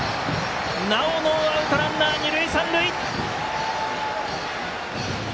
なおもノーアウトランナー、二塁三塁！